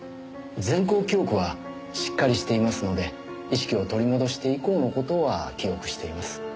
前向記憶はしっかりしていますので意識を取り戻して以降の事は記憶しています。